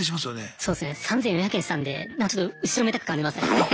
そうですね３４００円したんでちょっと後ろめたく感じましたね。